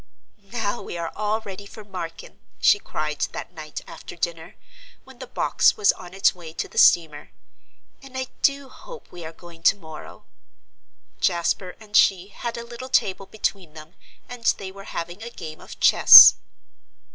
"Now we are all ready for Marken," she cried that night, after dinner, when the box was on its way to the steamer, "and I do hope we are going to morrow." Jasper and she had a little table between them, and they were having a game of chess.